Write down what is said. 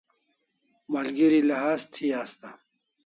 Malgeri lahaz thi asta